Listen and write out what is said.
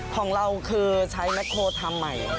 ของเราคือใช้แมคโฮลทำใหม่